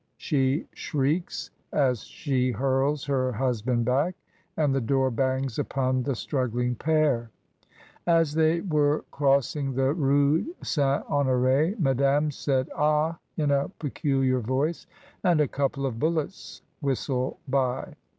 she shrieks, as she hurls her husband back, and the door bangs upon the struggling pair. As they were crossing the Rue St. Honor6 Madame said "Ah!" in a peculiar voice, and a couple of bullets whistle by.